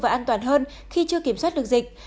và an toàn hơn khi chưa kiểm soát được dịch